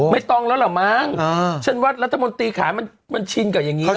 ไม่ต้องแล้วเหรอมั้งอ่าเช่นว่ารัฐมนตรีขายมันมันชินกับอย่างงี้แล้วล่ะ